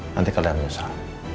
nanti keadaan menyesal